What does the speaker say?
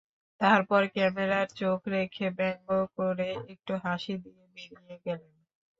তারপর ক্যামেরায় চোখ রেখে ব্যঙ্গ করে একটু হাসি দিয়ে বেরিয়ে গেলেন।